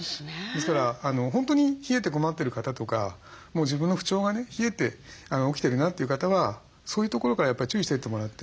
ですから本当に冷えて困ってる方とか自分の不調がね冷えて起きてるなという方はそういうところからやっぱり注意していってもらって。